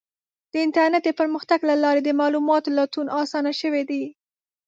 د انټرنیټ د پرمختګ له لارې د معلوماتو لټون اسانه شوی دی.